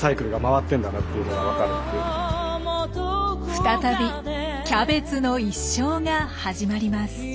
再びキャベツの一生が始まります。